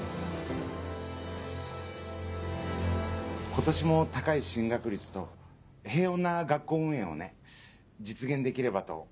今年も高い進学率と平穏な学校運営をね実現できればと。